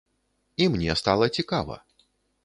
І мне стала цікава.